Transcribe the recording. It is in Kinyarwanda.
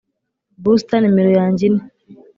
buster numero yanjye ine,